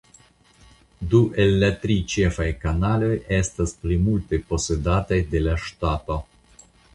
Du el la tri ĉefaj kanaloj estas plimulte posedataj de la ŝtato.